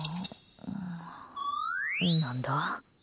何だ？